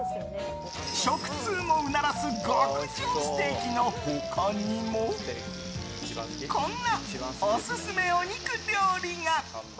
食通もうならす極上ステーキの他にもこんなオススメお肉料理が！